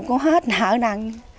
cũng hết nợ nặng